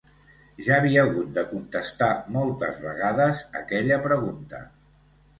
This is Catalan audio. Ja havia hagut de contestar moltes vegades aquella pregunta.